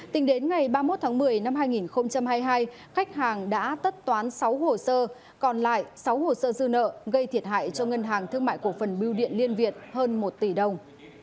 tính đến ngày ba mươi một tháng một mươi năm hai nghìn hai mươi hai khách hàng đã tất toán sáu hồ sơ còn lại sáu hồ sơ dư nợ gây thiệt hại cho ngân hàng thương mại cổ phần biêu điện liên việt hơn một tỷ đồng